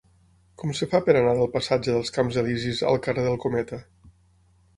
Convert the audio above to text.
Com es fa per anar del passatge dels Camps Elisis al carrer del Cometa?